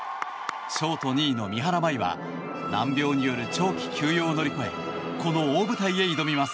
ショート２位の三原舞依は難病による長期休養を乗り越えこの大舞台へ挑みます。